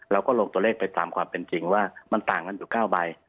ลงตัวเลขไปตามความเป็นจริงว่ามันต่างกันอยู่๙ใบ